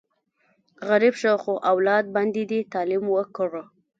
غریب شه، خو اولاد باندې دې تعلیم وکړه!